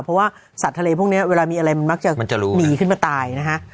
เพราะว่าสัตว์ทะเลพวกนี้เวลามีอะไรมันมักจะหนีขึ้นมาตายนะฮะ